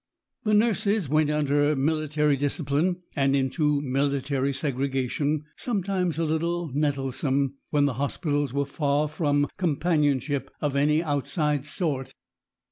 The nurses went under military discipline and into military segregation sometimes a little nettlesome, when the hospitals were far from companionship of any outside sort.